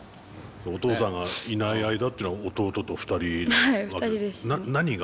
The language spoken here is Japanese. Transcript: お父さんがいない間っていうのは弟と２人の何が一番大変？